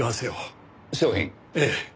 ええ。